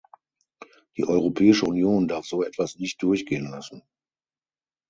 Die Europäische Union darf so etwas nicht durchgehen lassen.